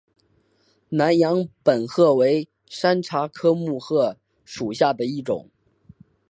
南洋木荷为山茶科木荷属下的一个种。